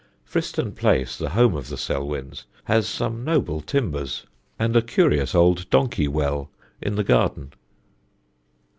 Friston Place, the home of the Selwyns, has some noble timbers, and a curious old donkey well in the garden.